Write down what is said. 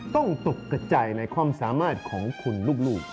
ตกกระจายในความสามารถของคุณลูก